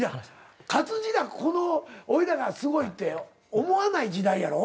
勝地らこの俺らがすごいって思わない時代やろ？